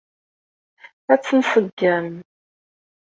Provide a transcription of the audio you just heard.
Ad tt-nṣeggem.